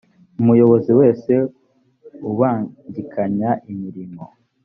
umuyobozi wese ubangikanya imirimo